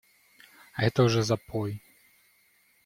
Это уже запой!